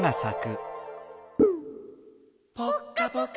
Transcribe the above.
ぽっかぽか。